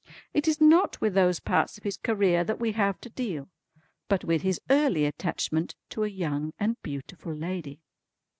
It is not with those parts of his career that we have to deal; but with his early attachment to a young and beautiful lady."